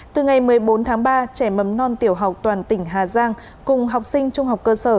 từ ngày một mươi bốn tháng ba trẻ mầm non tiểu học toàn tỉnh hà giang cùng học sinh trung học cơ sở